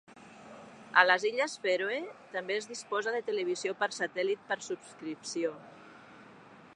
A les Illes Fèroe també es disposa de televisió per satèl·lit per subscripció.